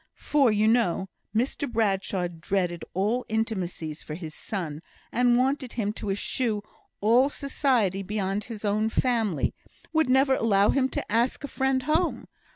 For, you know, Mr Bradshaw dreaded all intimacies for his son, and wanted him to eschew all society beyond his own family would never allow him to ask a friend home.